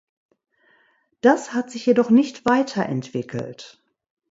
Das hat sich jedoch nicht weiter entwickelt.